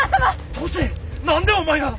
登勢何でお前が！？